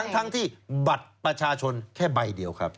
ทั้งที่บัตรประชาชนแค่ใบเดียวครับ